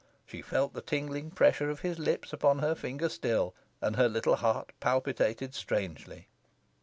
She felt the tingling pressure of his lips upon her finger still, and her little heart palpitated strangely.